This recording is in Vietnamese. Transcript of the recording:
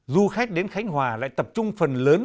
du khách đến khánh hòa lại tập trung phần lớn